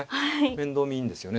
面倒見いいんですよね